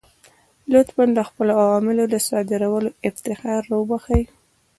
لطفا د خپلو اوامرو د صادرولو افتخار را وبخښئ.